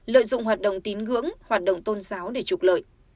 lợi dụng hoạt động tín ngưỡng hoạt động tôn giáo để trục lợi